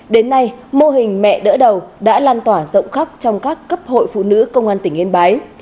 đến nay mô hình mẹ đỡ đầu đã lan tỏa rộng khắp trong các cấp hội phụ nữ công an tỉnh yên bái